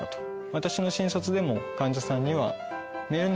私の診察でも患者さんには。